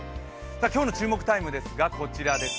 今日の注目タイムですがこちらです。